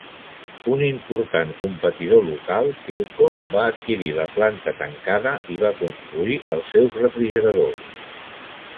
Un important competidor local, Philco, va adquirir la planta tancada i hi va construir els seus refrigeradors.